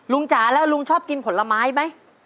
จ๋าแล้วลุงชอบกินผลไม้ไหม